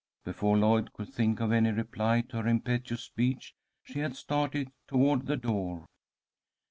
Before Lloyd could think of any reply to her impetuous speech, she had started toward the door.